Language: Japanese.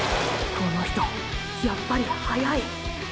この人やっぱり速い！